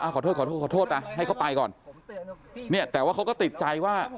ขอโทษขอโทษไปให้เขาไปก่อนเนี่ยแต่ว่าเขาก็ติดใจว่า